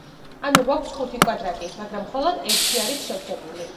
ანუ, გვაქვს ხუთი კვადრატი, მაგრამ მხოლოდ ერთი არის შევსებული.